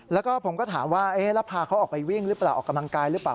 แล้วก็ผมก็ถามว่าแล้วพาเขาออกไปวิ่งหรือเปล่าออกกำลังกายหรือเปล่า